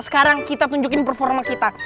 sekarang kita tunjukin performa kita